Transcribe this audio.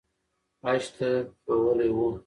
حج ته بوولي وو